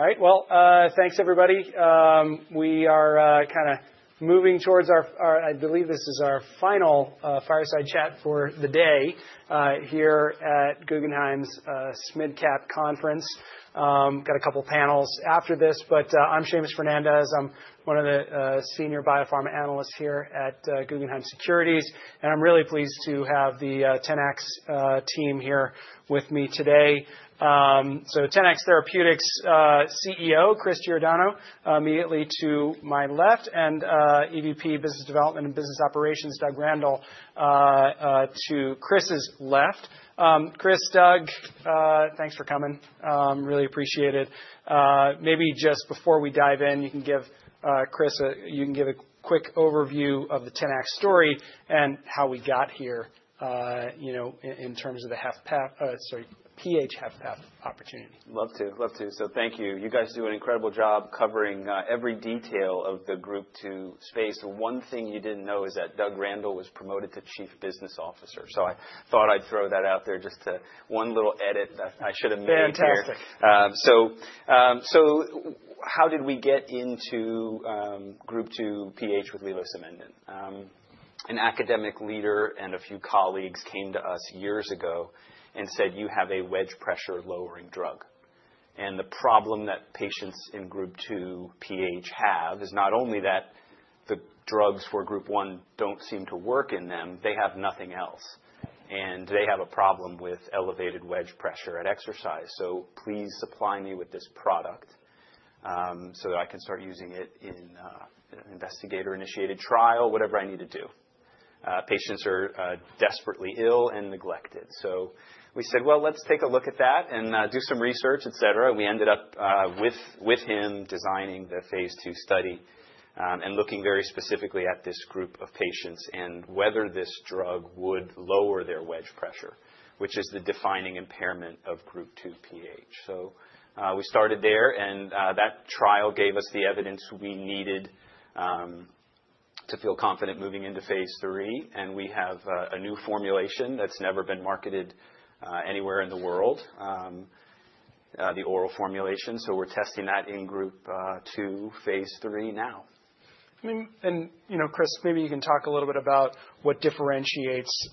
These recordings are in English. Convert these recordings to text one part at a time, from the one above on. All right, thanks, everybody. We are kind of moving towards our—I believe this is our final fireside chat for the day here at Guggenheim's SMID Cap Conference. Got a couple of panels after this, but I'm Seamus Fernandez. I'm one of the Senior Biopharma Analysts here at Guggenheim Securities, and I'm really pleased to have the Tenax team here with me today. Tenax Therapeutics CEO, Chris Giordano, immediately to my left, and EVP Business Development and Business Operations, Doug Randall, to Chris's left. Chris, Doug, thanks for coming. Really appreciate it. Maybe just before we dive in, you can give Chris a—you can give a quick overview of the Tenax story and how we got here, you know, in terms of the HFpEF, sorry, PH-HFpEF opportunity. Love to, love to. Thank you. You guys do an incredible job covering every detail of the Group 2 space. One thing you did not know is that Doug Randall was promoted to Chief Business Officer. I thought I would throw that out there just to—one little edit. I should have made that. Fantastic. How did we get into Group 2 PH with levosimendan? An academic leader and a few colleagues came to us years ago and said, "You have a wedge-pressure lowering drug." The problem that patients in Group 2 PH have is not only that the drugs for Group 1 do not seem to work in them, they have nothing else. They have a problem with elevated wedge pressure at exercise. Please supply me with this product so that I can start using it in an investigator-initiated trial, whatever I need to do. Patients are desperately ill and neglected. We said, "Well, let's take a look at that and do some research, et cetera." We ended up with him designing the phase II study and looking very specifically at this group of patients and whether this drug would lower their wedge pressure, which is the defining impairment of Group 2 PH. We started there, and that trial gave us the evidence we needed to feel confident moving into phase III. We have a new formulation that's never been marketed anywhere in the world, the oral formulation. We're testing that in Group 2 phase III now. I mean, and you know, Chris, maybe you can talk a little bit about what differentiates,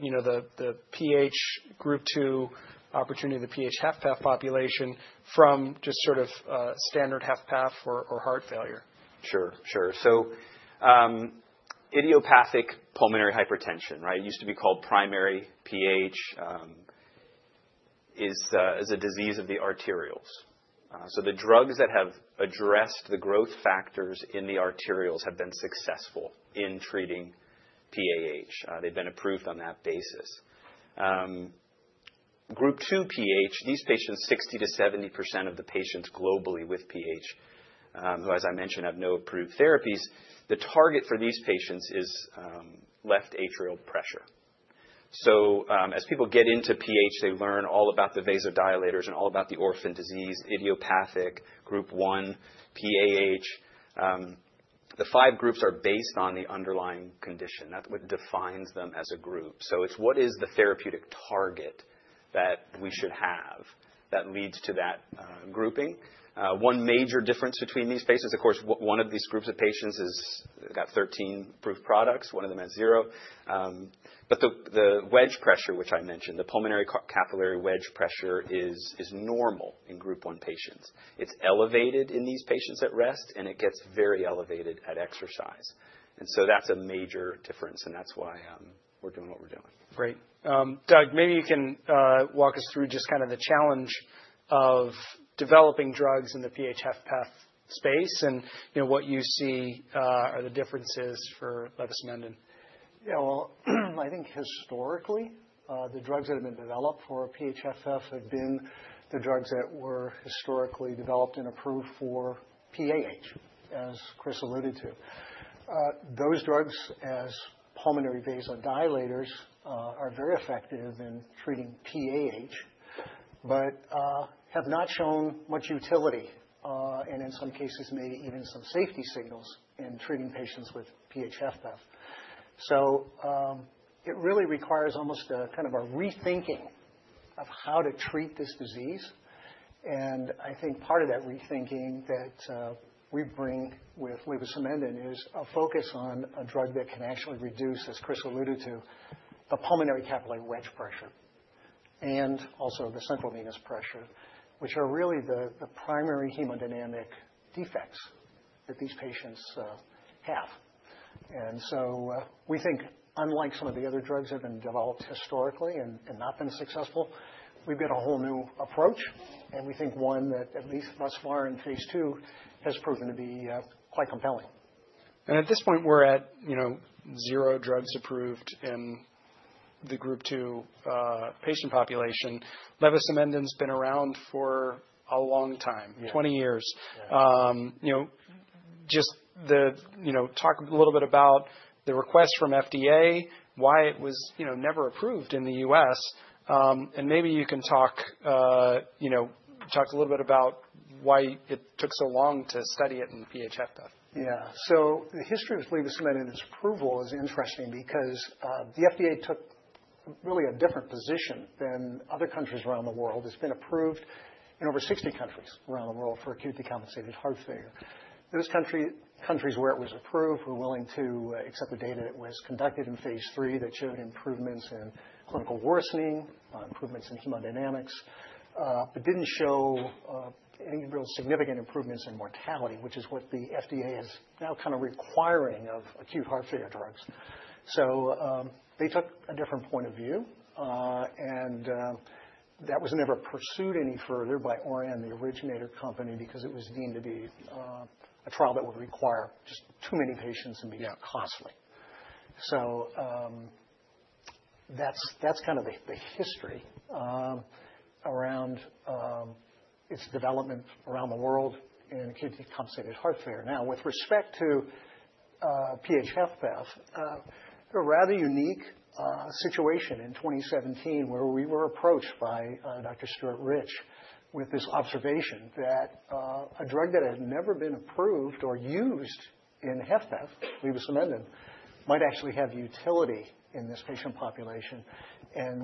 you know, the PH Group 2 opportunity, the PH-HFpEF population from just sort of standard HFpEF or heart failure. Sure, sure. Idiopathic pulmonary hypertension, right, used to be called Primary PH, is a disease of the arterioles. The drugs that have addressed the growth factors in the arterioles have been successful in treating PAH. They've been approved on that basis. Group 2 PH, these patients, 60%-70% of the patients globally with PH, who, as I mentioned, have no approved therapies, the target for these patients is left atrial pressure. As people get into PH, they learn all about the vasodilators and all about the orphan disease, idiopathic Group 1 PAH. The five groups are based on the underlying condition. That's what defines them as a group. It's what is the therapeutic target that we should have that leads to that grouping. One major difference between these phases, of course, one of these groups of patients has got 13 approved products. One of them has zero. The wedge pressure, which I mentioned, the pulmonary capillary wedge pressure is normal in Group 1 patients. It's elevated in these patients at rest, and it gets very elevated at exercise. That's a major difference, and that's why we're doing what we're doing. Great. Doug, maybe you can walk us through just kind of the challenge of developing drugs in the PH-HFpEF space and, you know, what you see are the differences for levosimendan. Yeah, I think historically, the drugs that have been developed for PH-HFpEF have been the drugs that were historically developed and approved for PAH, as Chris alluded to. Those drugs, as pulmonary vasodilators, are very effective in treating PAH but have not shown much utility and, in some cases, maybe even some safety signals in treating patients with PH-HFpEF. It really requires almost a kind of a rethinking of how to treat this disease. I think part of that rethinking that we bring with levosimendan is a focus on a drug that can actually reduce, as Chris alluded to, the pulmonary capillary wedge pressure and also the central venous pressure, which are really the primary hemodynamic defects that these patients have. We think, unlike some of the other drugs that have been developed historically and not been successful, we've got a whole new approach, and we think one that, at least thus far in phase II, has proven to be quite compelling. At this point, we're at, you know, zero drugs approved in the Group 2 patient population. Levosimendan's been around for a long time, 20 years. You know, just the, you know, talk a little bit about the request from FDA, why it was, you know, never approved in the U.S. And maybe you can talk, you know, talk a little bit about why it took so long to study it in PH-HFpEF. Yeah, so the history of levosimendan's approval is interesting because the FDA took really a different position than other countries around the world. It's been approved in over 60 countries around the world for acutely decompensated heart failure. Those countries where it was approved were willing to accept the data that was conducted in phase III that showed improvements in clinical worsening, improvements in hemodynamics, but didn't show any real significant improvements in mortality, which is what the FDA is now kind of requiring of acute heart failure drugs. They took a different point of view, and that was never pursued any further by Orion, the originator company, because it was deemed to be a trial that would require just too many patients and be costly. That's kind of the history around its development around the world in acutely decompensated heart failure. Now, with respect to PH-HFpEF, a rather unique situation in 2017 where we were approached by Dr. Stuart Rich with this observation that a drug that had never been approved or used in HFpEF, levosimendan, might actually have utility in this patient population.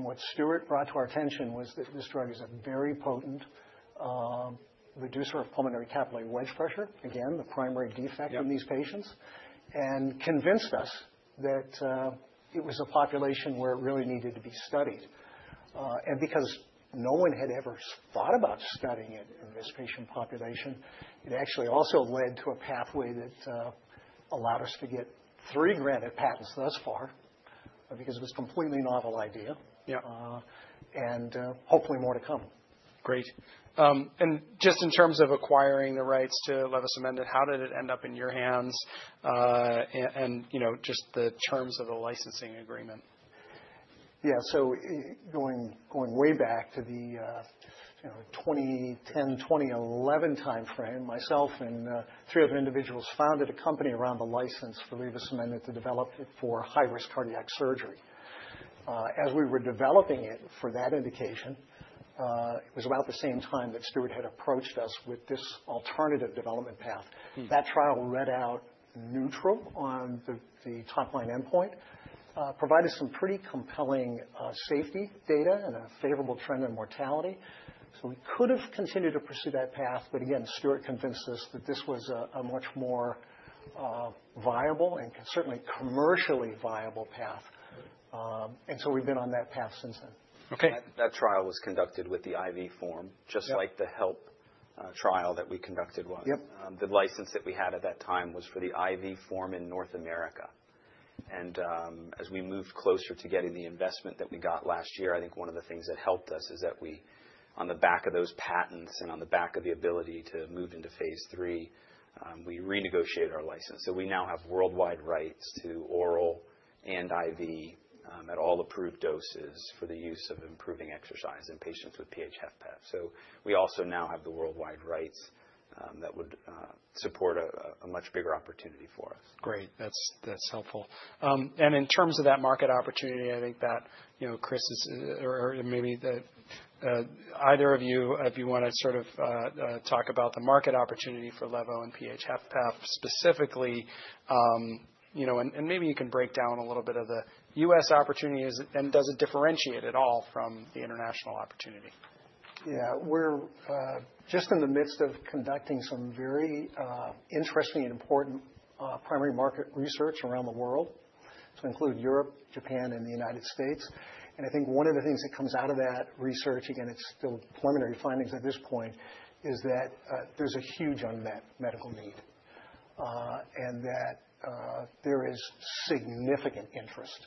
What Stuart brought to our attention was that this drug is a very potent reducer of pulmonary capillary wedge pressure, again, the primary defect in these patients, and convinced us that it was a population where it really needed to be studied. Because no one had ever thought about studying it in this patient population, it actually also led to a pathway that allowed us to get three granted patents thus far because it was a completely novel idea. Yeah. Hopefully more to come. Great. Just in terms of acquiring the rights to levosimendan, how did it end up in your hands and, you know, just the terms of the licensing agreement? Yeah, so going way back to the, you know, 2010, 2011 timeframe, myself and three other individuals founded a company around the license for levosimendan to develop it for high-risk cardiac surgery. As we were developing it for that indication, it was about the same time that Stuart had approached us with this alternative development path. That trial read out neutral on the top-line endpoint, provided some pretty compelling safety data and a favorable trend in mortality. We could have continued to pursue that path, but again, Stuart convinced us that this was a much more viable and certainly commercially viable path. We have been on that path since then. Okay. That trial was conducted with the IV form, just like the HELP trial that we conducted was. The license that we had at that time was for the IV form in North America. As we moved closer to getting the investment that we got last year, I think one of the things that helped us is that we, on the back of those patents and on the back of the ability to move into phase III, we renegotiated our license. We now have worldwide rights to oral and IV at all approved doses for the use of improving exercise in patients with PH-HFpEF. We also now have the worldwide rights that would support a much bigger opportunity for us. Great. That's helpful. In terms of that market opportunity, I think that, you know, Chris, or maybe either of you, if you want to sort of talk about the market opportunity for levo and PH-HFpEF specifically, you know, and maybe you can break down a little bit of the U.S. opportunity and does it differentiate at all from the international opportunity? Yeah, we're just in the midst of conducting some very interesting and important primary market research around the world. Include Europe, Japan, and the United States. I think one of the things that comes out of that research, again, it's still preliminary findings at this point, is that there's a huge unmet medical need and that there is significant interest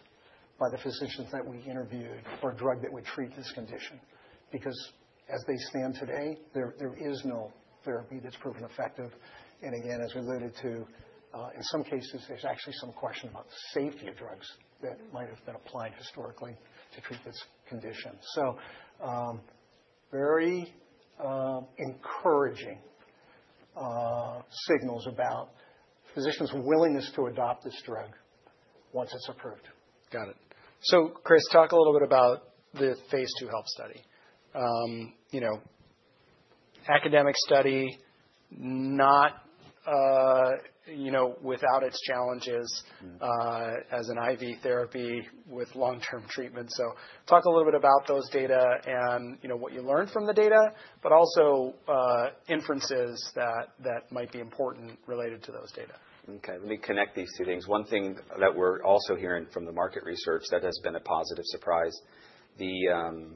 by the physicians that we interviewed for a drug that would treat this condition because, as they stand today, there is no therapy that's proven effective. Again, as we alluded to, in some cases, there's actually some question about the safety of drugs that might have been applied historically to treat this condition. Very encouraging signals about physicians' willingness to adopt this drug once it's approved. Got it. Chris, talk a little bit about the phase II HELP study. You know, academic study, not, you know, without its challenges as an IV therapy with long-term treatment. Talk a little bit about those data and, you know, what you learned from the data, but also inferences that might be important related to those data. Okay. Let me connect these two things. One thing that we're also hearing from the market research that has been a positive surprise, the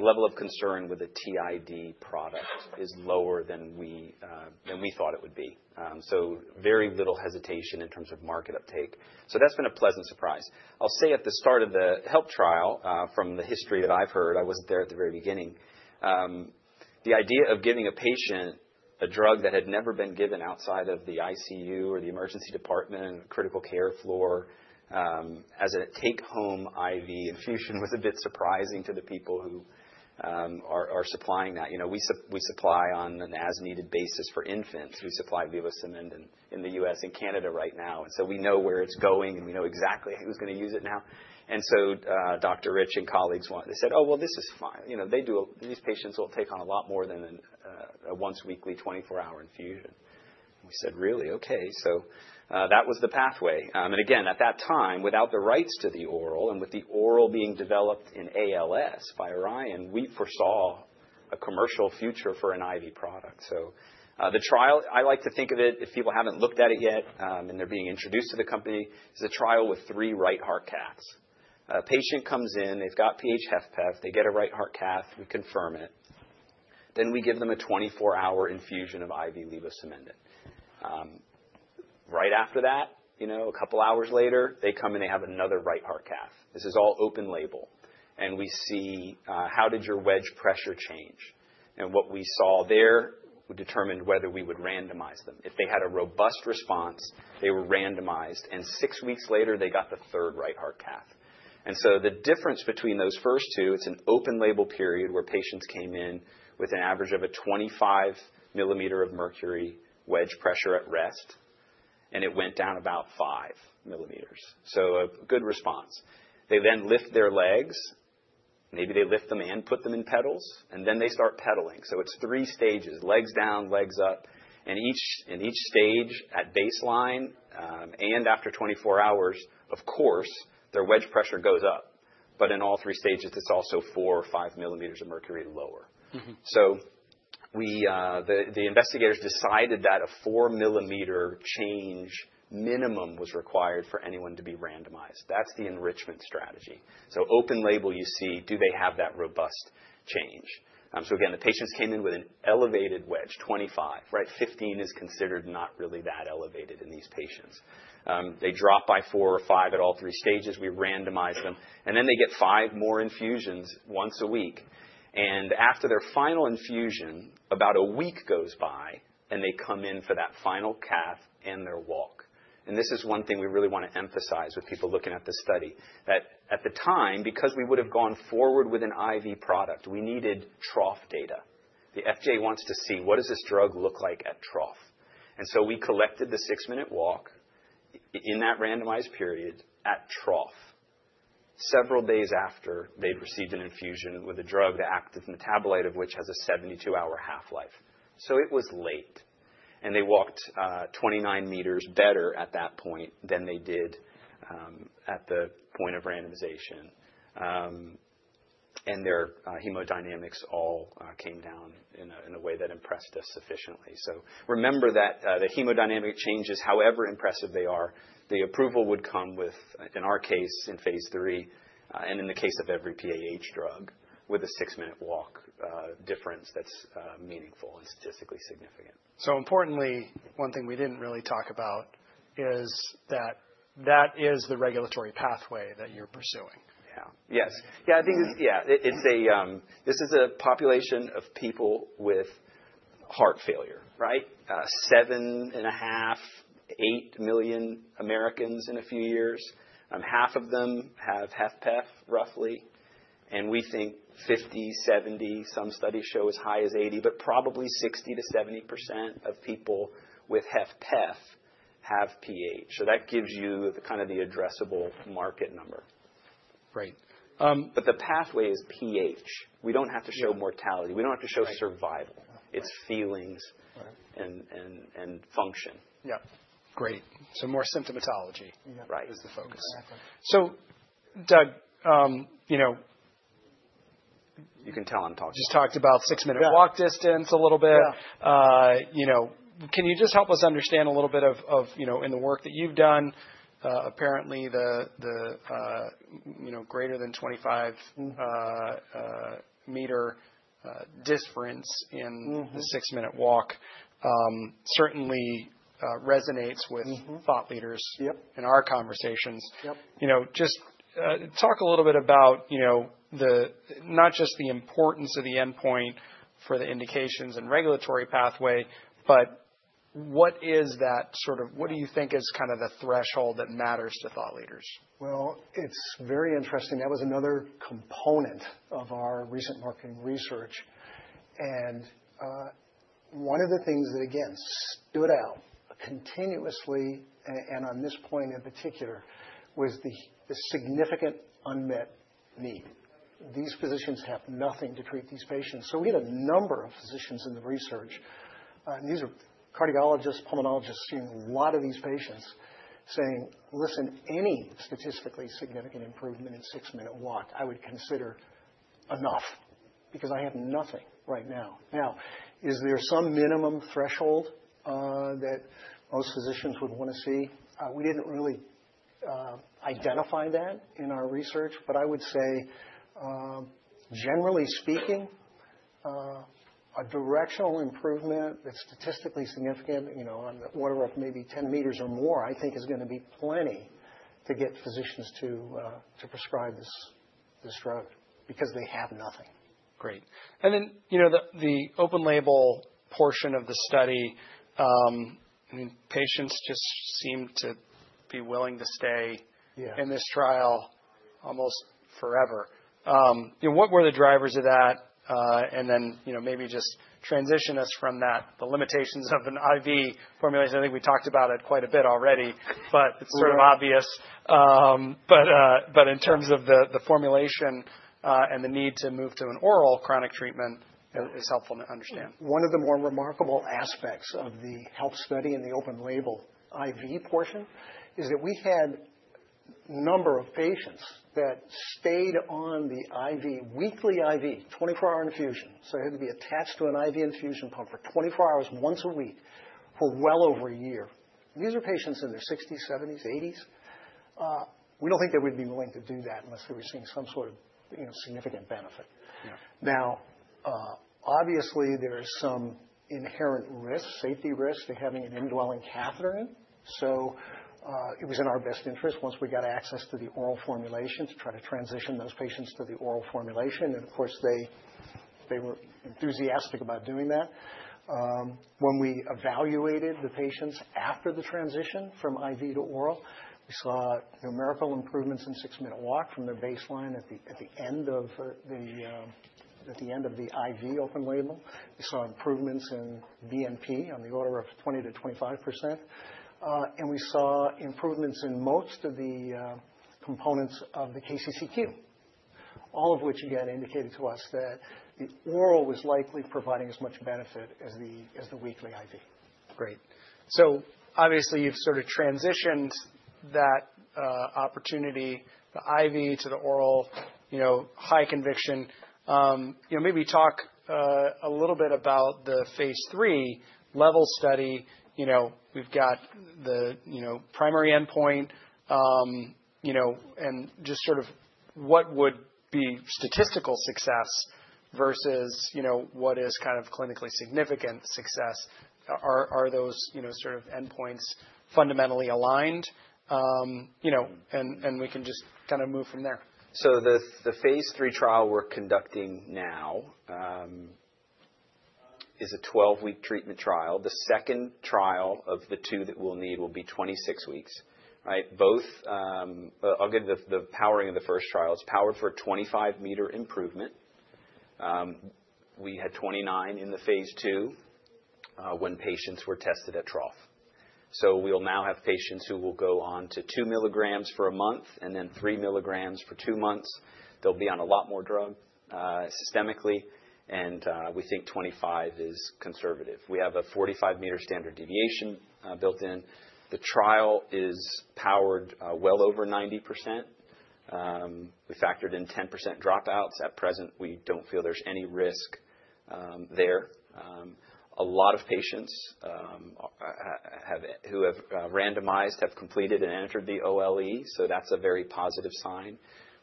level of concern with the TID product is lower than we thought it would be. Very little hesitation in terms of market uptake. That's been a pleasant surprise. I'll say at the start of the HELP trial, from the history that I've heard, I wasn't there at the very beginning, the idea of giving a patient a drug that had never been given outside of the ICU or the emergency department, critical care floor, as a take-home IV infusion was a bit surprising to the people who are supplying that. You know, we supply on an as-needed basis for infants. We supply levosimendan in the U.S. and Canada right now. We know where it's going, and we know exactly who's going to use it now. Dr. Rich and colleagues want, they said, "Oh, well, this is fine." You know, these patients will take on a lot more than a once-weekly, 24-hour infusion. We said, "Really? Okay." That was the pathway. At that time, without the rights to the oral and with the oral being developed in ALS by Orion, we foresaw a commercial future for an IV product. The trial, I like to think of it, if people haven't looked at it yet and they're being introduced to the company, is a trial with three right heart caths. A patient comes in, they've got PH-HFpEF, they get a right heart cath, we confirm it. Then we give them a 24-hour infusion of IV levosimendan. Right after that, you know, a couple hours later, they come in, they have another right heart cath. This is all open label. We see, how did your wedge pressure change? What we saw there determined whether we would randomize them. If they had a robust response, they were randomized, and six weeks later, they got the third right heart cath. The difference between those first two, it's an open label period where patients came in with an average of a 25 mm of mercury wedge pressure at rest, and it went down about 5 mm. A good response. They then lift their legs, maybe they lift them and put them in pedals, and they start pedaling. It's three stages, legs down, legs up. Each stage at baseline and after 24 hours, of course, their wedge pressure goes up. In all three stages, it's also 4 or 5 mm of mercury lower. The investigators decided that a 4 mm change minimum was required for anyone to be randomized. That's the enrichment strategy. Open label, you see, do they have that robust change? Again, the patients came in with an elevated wedge, 25, right? Fifteen is considered not really that elevated in these patients. They drop by 4 or 5 at all three stages. We randomize them. They get five more infusions once a week. After their final infusion, about a week goes by, and they come in for that final cath and their walk. This is one thing we really want to emphasize with people looking at this study, that at the time, because we would have gone forward with an IV product, we needed trough data. The FDA wants to see what does this drug look like at trough. We collected the six-minute walk in that randomized period at trough several days after they'd received an infusion with a drug, the active metabolite of which has a 72-hour half-life. It was late. They walked 29 m better at that point than they did at the point of randomization. Their hemodynamics all came down in a way that impressed us sufficiently. Remember that the hemodynamic changes, however impressive they are, the approval would come with, in our case, in phase III, and in the case of every PH drug, with a six-minute walk difference that's meaningful and statistically significant. Importantly, one thing we didn't really talk about is that that is the regulatory pathway that you're pursuing. Yeah. Yes. Yeah, I think it's, yeah, this is a population of people with heart failure, right? 7.5 million, 8 million Americans in a few years. Half of them have HFpEF, roughly. And we think 50-70, some studies show as high as 80, but probably 60-70% of people with HFpEF have PH. That gives you the kind of the addressable market number. Great. The pathway is PH. We don't have to show mortality. We don't have to show survival. It's feelings and function. Yeah. Great. More symptomatology is the focus. So, Doug, you know. You can tell I'm talking. Just talked about six-minute walk distance a little bit. You know, can you just help us understand a little bit of, you know, in the work that you've done, apparently the, you know, greater than 25 m difference in the six-minute walk certainly resonates with thought leaders in our conversations. You know, just talk a little bit about, you know, not just the importance of the endpoint for the indications and regulatory pathway, but what is that sort of, what do you think is kind of the threshold that matters to thought leaders? It's very interesting. That was another component of our recent marketing research. One of the things that, again, stood out continuously, and on this point in particular, was the significant unmet need. These physicians have nothing to treat these patients. We had a number of physicians in the research, and these are cardiologists, pulmonologists seeing a lot of these patients saying, "Listen, any statistically significant improvement in six-minute walk, I would consider enough because I have nothing right now." Now, is there some minimum threshold that most physicians would want to see? We didn't really identify that in our research, but I would say, generally speaking, a directional improvement that's statistically significant, you know, on the order of maybe 10 m or more, I think is going to be plenty to get physicians to prescribe this drug because they have nothing. Great. And then, you know, the open label portion of the study, I mean, patients just seem to be willing to stay in this trial almost forever. You know, what were the drivers of that? And then, you know, maybe just transition us from that, the limitations of an IV formulation. I think we talked about it quite a bit already, but it's sort of obvious. But in terms of the formulation and the need to move to an oral chronic treatment, it's helpful to understand. One of the more remarkable aspects of the HELP study and the open label IV portion is that we had a number of patients that stayed on the IV, weekly IV, 24-hour infusion. They had to be attached to an IV infusion pump for 24 hours once a week for well over a year. These are patients in their 60s, 70s, 80s. We do not think they would be willing to do that unless they were seeing some sort of, you know, significant benefit. Now, obviously, there is some inherent risk, safety risk to having an indwelling catheter in. It was in our best interest once we got access to the oral formulation to try to transition those patients to the oral formulation. Of course, they were enthusiastic about doing that. When we evaluated the patients after the transition from IV to oral, we saw numerical improvements in six-minute walk from their baseline at the end of the IV open label. We saw improvements in BNP on the order of 20-25%. We saw improvements in most of the components of the KCCQ, all of which, again, indicated to us that the oral was likely providing as much benefit as the weekly IV. Great. Obviously, you've sort of transitioned that opportunity, the IV to the oral, you know, high conviction. You know, maybe talk a little bit about the phase III LEVEL study. You know, we've got the, you know, primary endpoint, you know, and just sort of what would be statistical success versus, you know, what is kind of clinically significant success. Are those, you know, sort of endpoints fundamentally aligned? You know, and we can just kind of move from there. The phase III trial we're conducting now is a 12-week treatment trial. The second trial of the two that we'll need will be 26 weeks, right? Both, I'll give the powering of the first trial, it's powered for a 25 m improvement. We had 29 in the phase II when patients were tested at trough. We'll now have patients who will go on to 2 mg for a month and then 3 mg for two months. They'll be on a lot more drug systemically. We think 25 is conservative. We have a 45 m standard deviation built in. The trial is powered well over 90%. We factored in 10% dropouts. At present, we don't feel there's any risk there. A lot of patients who have randomized have completed and entered the OLE. That's a very positive sign.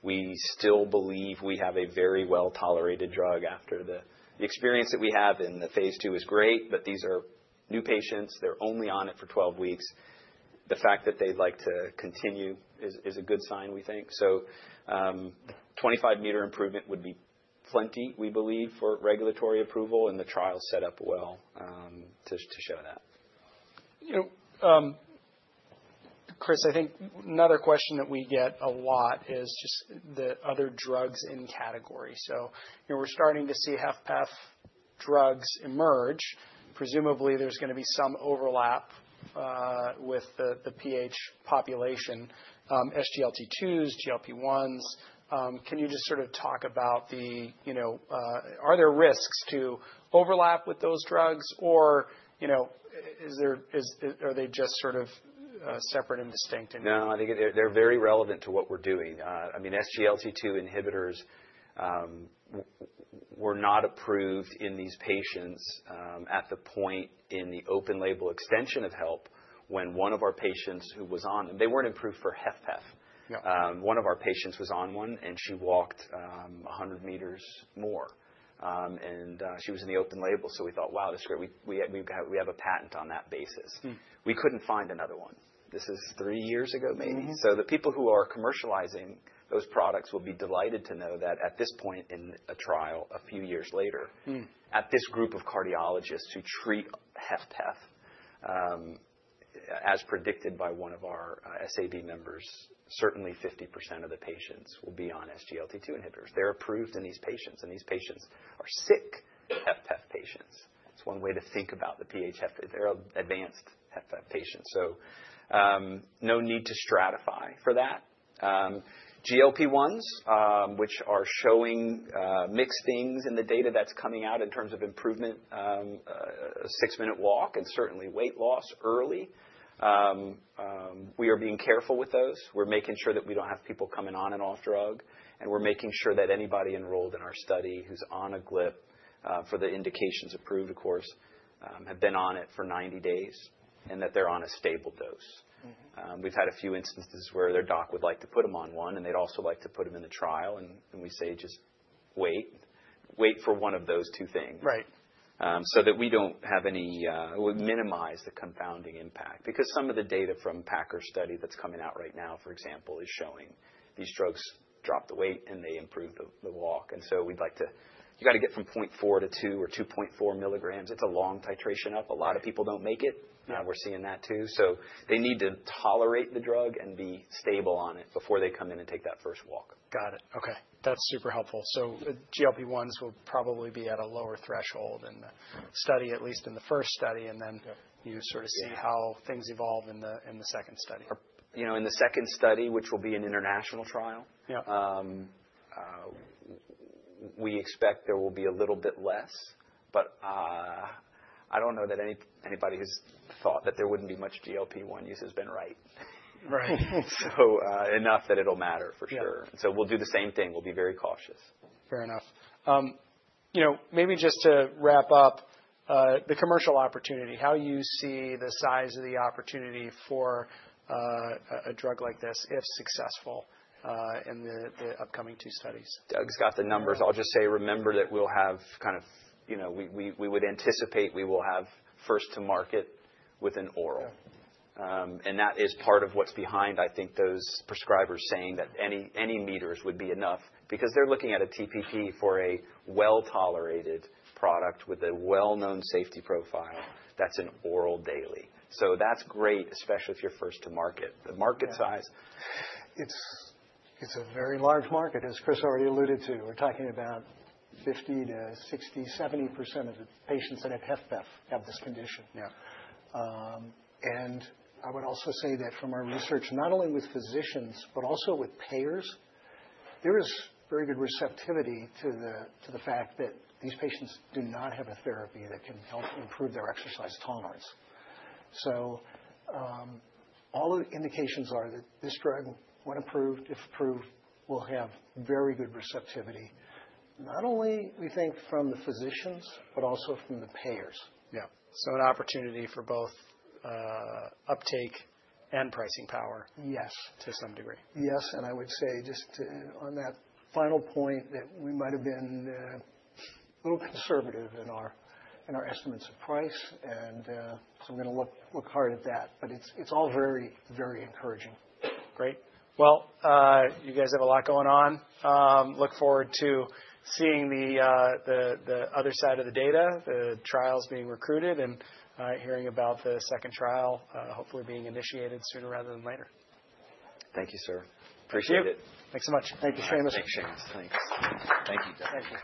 We still believe we have a very well-tolerated drug after the experience that we have in the phase II is great, but these are new patients. They're only on it for 12 weeks. The fact that they'd like to continue is a good sign, we think. A 25 m improvement would be plenty, we believe, for regulatory approval and the trial set up well to show that. You know, Chris, I think another question that we get a lot is just the other drugs in category. You know, we're starting to see HFpEF drugs emerge. Presumably, there's going to be some overlap with the PH population, SGLT2s, GLP-1s. Can you just sort of talk about the, you know, are there risks to overlap with those drugs or, you know, are they just sort of separate and distinct? No, I think they're very relevant to what we're doing. I mean, SGLT2 inhibitors were not approved in these patients at the point in the open label extension of HELP when one of our patients who was on, and they weren't approved for HFpEF. One of our patients was on one, and she walked 100 m more. She was in the open label. I thought, wow, this is great. We have a patent on that basis. We couldn't find another one. This is three years ago, maybe. The people who are commercializing those products will be delighted to know that at this point in a trial, a few years later, at this group of cardiologists who treat HFpEF, as predicted by one of our SAB members, certainly 50% of the patients will be on SGLT2 inhibitors. They're approved in these patients. These patients are sick HFpEF patients. That's one way to think about the PH-HFpEF. They're advanced HFpEF patients. No need to stratify for that. GLP-1s, which are showing mixed things in the data that's coming out in terms of improvement, six-minute walk and certainly weight loss early, we are being careful with those. We're making sure that we don't have people coming on and off drug. We're making sure that anybody enrolled in our study who's on a GLP for the indications approved, of course, have been on it for 90 days and that they're on a stable dose. We've had a few instances where their doc would like to put them on one, and they'd also like to put them in the trial. We say, just wait. Wait for one of those two things. Right. That we don't have any, we minimize the confounding impact. Because some of the data from Packer's study that's coming out right now, for example, is showing these drugs drop the weight and they improve the walk. We'd like to, you got to get from 0.4 to 2 or 2.4 mg. It's a long titration up. A lot of people don't make it. We're seeing that too. They need to tolerate the drug and be stable on it before they come in and take that first walk. Got it. Okay. That's super helpful. GLP-1s will probably be at a lower threshold in the study, at least in the first study, and then you sort of see how things evolve in the second study. You know, in the second study, which will be an international trial, we expect there will be a little bit less, but I don't know that anybody who's thought that there wouldn't be much GLP-1 use has been right. Right. It'll matter for sure. We'll do the same thing. We'll be very cautious. Fair enough. You know, maybe just to wrap up, the commercial opportunity, how you see the size of the opportunity for a drug like this if successful in the upcoming two studies. Doug's got the numbers. I'll just say, remember that we'll have kind of, you know, we would anticipate we will have first to market with an oral. That is part of what's behind, I think, those prescribers saying that any meters would be enough because they're looking at a TPP for a well-tolerated product with a well-known safety profile that's an oral daily. That's great, especially if you're first to market. The market size. It's a very large market, as Chris already alluded to. We're talking about 50-60, 70% of the patients that have HFpEF have this condition. Yeah. I would also say that from our research, not only with physicians, but also with payers, there is very good receptivity to the fact that these patients do not have a therapy that can help improve their exercise tolerance. All the indications are that this drug, when approved, if approved, will have very good receptivity, not only, we think, from the physicians, but also from the payers. Yeah. An opportunity for both uptake and pricing power. Yes. To some degree. Yes. I would say just on that final point that we might have been a little conservative in our estimates of price. I'm going to look hard at that, but it's all very, very encouraging. Great. You guys have a lot going on. Look forward to seeing the other side of the data, the trials being recruited, and hearing about the second trial hopefully being initiated sooner rather than later. Thank you, sir. Appreciate it. Thank you. Thanks so much. Thank you, Seamus. Thanks, Seamus. Thanks. Thank you, Doug.